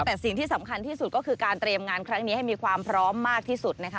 แต่สิ่งที่สำคัญที่สุดก็คือการเตรียมงานครั้งนี้ให้มีความพร้อมมากที่สุดนะคะ